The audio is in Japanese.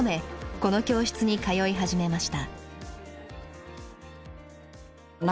この教室に通い始めました。